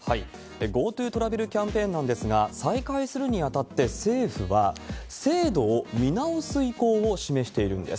ＧｏＴｏトラベルキャンペーンなんですが、再開するにあたって、政府は制度を見直す意向を示しているんです。